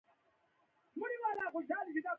نن د شپې د احمد سپی غورېدو ټوله شپه یې مې خوب ونه کړ.